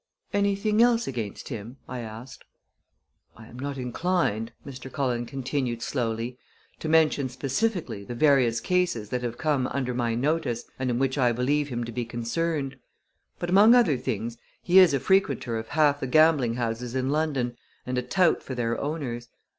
"Anything else against him?" I asked. "I am not inclined," Mr. Cullen continued slowly, "to mention specifically the various cases that have come under my notice and in which I believe him to be concerned; but, among other things, he is a frequenter of half the gambling houses in London and a tout for their owners.